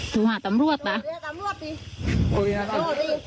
สู่หาตำรวจดี